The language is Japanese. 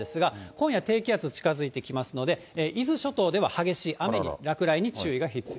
まず天気図で、仕組みなんですが、今夜低気圧、近づいてきますので、伊豆諸島では激しい雨に、落雷に注意が必要。